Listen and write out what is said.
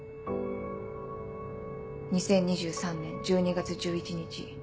２０２３年１２月１１日。